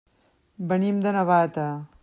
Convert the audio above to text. Venim de Navata.